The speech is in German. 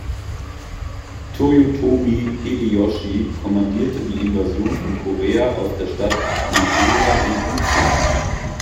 Toyotomi Hideyoshi kommandierte die Invasion von Korea aus der Stadt Nagoya in Hizen.